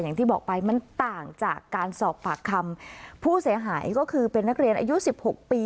อย่างที่บอกไปมันต่างจากการสอบปากคำผู้เสียหายก็คือเป็นนักเรียนอายุสิบหกปี